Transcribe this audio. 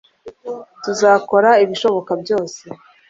tuzakora ibishoboka byose